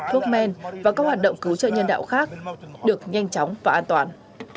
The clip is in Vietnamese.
thuốc men và các hoạt động cứu trợ nhân đạo khác được nhanh chóng và an toàn